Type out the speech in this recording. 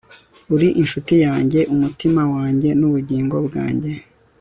uri inshuti yanjye, umutima wanjye, n'ubugingo bwanjye